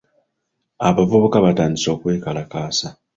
Abavubuka batandise okwekalakaasa.